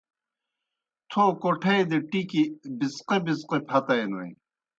تھو کوٹھائی دہ ٹِکیْ بِڅقہ بِڅقہ پھتائینوئے۔